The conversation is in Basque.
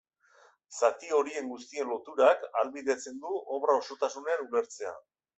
Zati horien guztien loturak ahalbidetzen du obra osotasunean ulertzea.